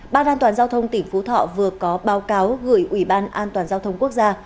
ban an toàn giao thông tỉnh phú thọ vừa có báo cáo gửi ủy ban an toàn giao thông quốc gia